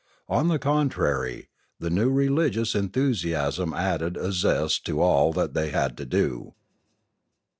On the contrary, the new religious enthusiasm added a zest to all that they had to do.